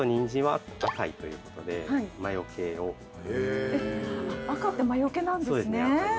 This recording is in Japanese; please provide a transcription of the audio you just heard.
赤って魔よけなんですね。